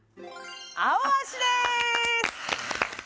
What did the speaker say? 「アオアシ」です